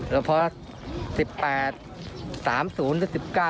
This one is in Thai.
เมื่อป่ะ๑๘๓๐ถึง๑๙๔๐นี่